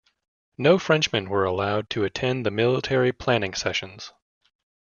No Frenchmen were allowed to attend the military planning sessions.